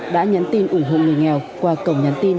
đã nhắn tin ủng hộ người nghèo qua cổng nhắn tin